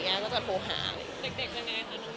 เด็กแล้วอย่างไรขนาดนั้น